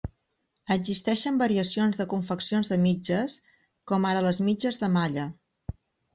Existeixen variacions de confeccions de mitges, com ara les mitges de malla.